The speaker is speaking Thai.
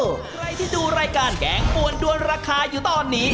ใครที่ดูรายการแกงปวนด้วนราคาอยู่ตอนนี้